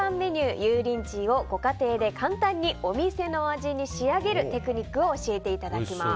油淋鶏をご家庭で簡単にお店の味仕上げるテクニックを教えていただきます。